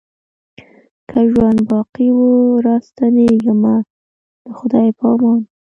که ژوند باقي وو را ستنېږمه د خدای په امان